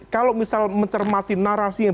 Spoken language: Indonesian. kalau misal mencermati narasi yang